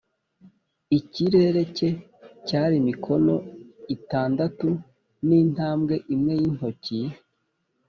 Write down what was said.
ikirere cye cyari mikono itandatu n’intambwe imwe y’intoki.